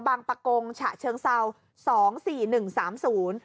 ปะกงฉะเชิงเศร้าสองสี่หนึ่งสามศูนย์